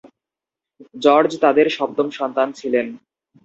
George তাদের সপ্তম সন্তান ছিলেন।